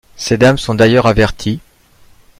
Ces dames sont d’ailleurs averties...